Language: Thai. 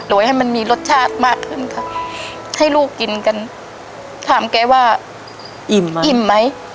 โดยให้มันมีรสชาติมากขึ้นค่ะให้ลูกกินกันถามแกว่าอิ่มไหมอิ่มไหม